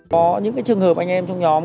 có những trường hợp anh em trong nhóm